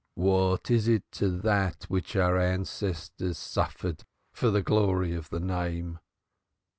"What is it to that which our ancestors suffered for the glory of the Name?"